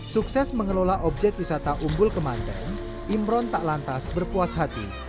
sukses mengelola objek wisata umbul kemanten imron tak lantas berpuas hati